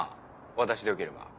私でよければ。